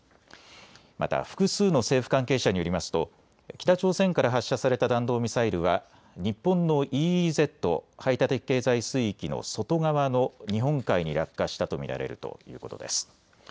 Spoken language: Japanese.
また複数の政府関係者によりますと北朝鮮から発射された弾道ミサイルは日本のＥＥＺ・排他的経済水域の外側の日本海に落下したと見られるということです。